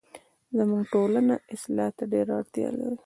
زموږ ټولنه اصلاح ته ډيره اړتیا لري